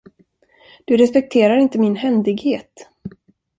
Du respekterar inte min händighet.